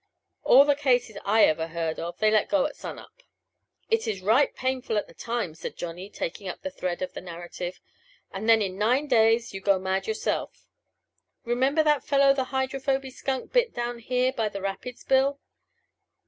All the cases I ever heard of they let go at sunup." "It is right painful at the time," said Johnny, taking up the thread of the narrative; "and then in nine days you go mad yourself. Remember that fellow the Hydrophoby Skunk bit down here by the rapids, Bill?